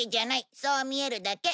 そう見えるだけ。